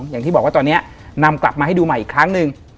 อย่างที่บอกว่าตอนนี้นำกลับมาให้ดูใหม่อีกครั้งหนึ่ง